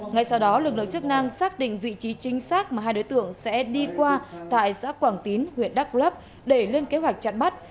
ngay sau đó lực lượng chức năng xác định vị trí chính xác mà hai đối tượng sẽ đi qua tại xã quảng tín huyện đắk lấp để lên kế hoạch chặn bắt